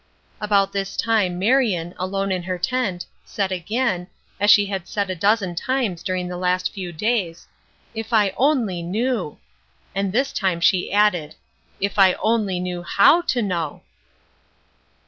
About this time Marion, alone in her tent, said again, as she had said a dozen times during the last few days: "If I only knew!" And this time she added, "If I only knew how to know!"